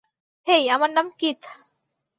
হেই, আমার নাম কিথ।